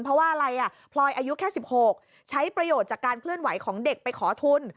เพราะว่าอะไรอ่ะพลอยอายุแค่๑๖ใช้ประโยชน์จากการเคลื่อนไหวของเด็กไปขอทุน